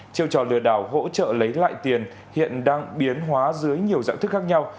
chiêu trò lừa đảo hỗ trợ lấy lại tiền hiện đang biến hóa dưới nhiều dạng thức khác nhau